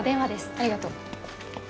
ありがとう。